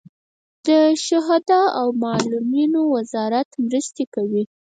د شهدا او معلولینو وزارت مرستې کوي